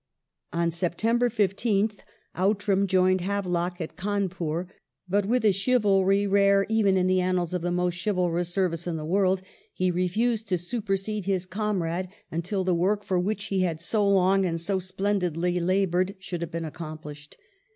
On September 15th Outram joined Havelock at Cawnpur, but with a chivalry rare even in the annals of the most chivalrous service in the world, he refused to supersede his comrade until the work for which he had so long and so splendidly laboured, should have been accomplished.